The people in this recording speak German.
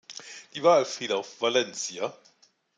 Die Wahl fiel auf Valencia.